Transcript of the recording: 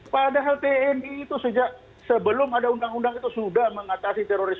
padahal tni itu sejak sebelum ada undang undang itu sudah mengatasi terorisme